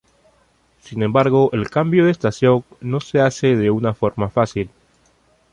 Sin embargo el cambio de estación no se hace de una forma fácil.